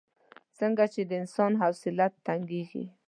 څنګه چې د انسان حوصله تنګېږي.